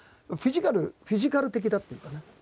フィジカルフィジカル的だっていうかね。